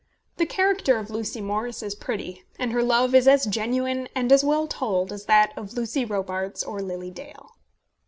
The character of Lucy Morris is pretty; and her love is as genuine and as well told as that of Lucy Robarts or Lily Dale.